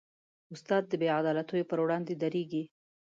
استاد د بېعدالتیو پر وړاندې دریږي.